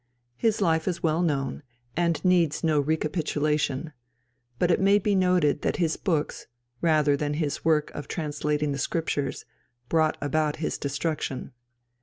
His life is well known, and needs no recapitulation; but it may be noted that his books, rather than his work of translating the Scriptures, brought about his destruction.